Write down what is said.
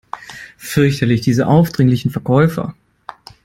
Fürchterlich, diese aufdringlichen Verkäufer!